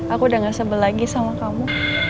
aku udah gak sabar lagi sama kamu